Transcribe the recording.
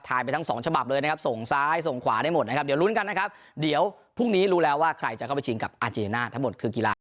ไปทั้งสองฉบับเลยนะครับส่งซ้ายส่งขวาได้หมดนะครับเดี๋ยวลุ้นกันนะครับเดี๋ยวพรุ่งนี้รู้แล้วว่าใครจะเข้าไปชิงกับอาเจน่าทั้งหมดคือกีฬา